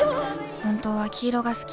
本当は黄色が好き。